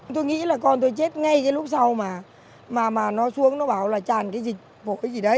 tôi nghĩ là con tôi chết ngay cái lúc sau mà mà mà nó xuống nó bảo là tràn cái dịch vội gì đấy